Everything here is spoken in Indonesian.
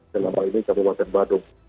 selama ini kabupaten badung